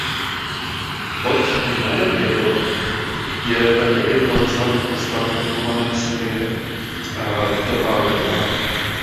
Pod jménem Diego je také jednou z hlavních postav animované série Doba ledová.